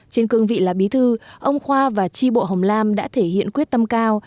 trên cương vị là bí thư ông khoa và tri bộ hồng lam đã thể hiện quyết tâm cao